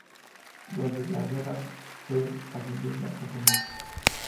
Durante la guerra, fue ascendido a teniente.